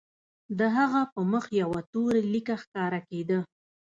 د هغه په مخ یوه توره لیکه ښکاره کېده